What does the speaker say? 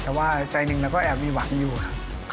แต่ว่าใจหนึ่งเราก็แอบมีหวังอยู่ครับ